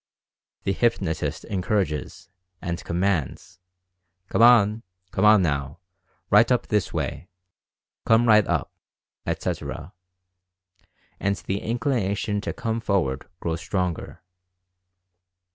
The hypnotist encourages, and com mands, "Come on, come on, now; right up this way; come right up," etc., and the inclination to "come for ward" grows stronger.